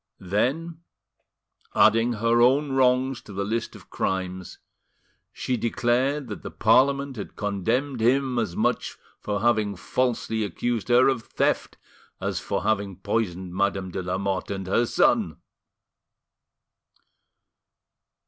Then, adding her own wrongs to the list of crimes, she declared that the Parliament had condemned him as much for having falsely accused her of theft as for having poisoned Madame de Lamotte and her son!